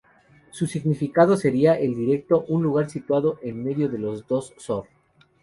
Su significado sería el directo, un lugar situado en medio de los dos Sor.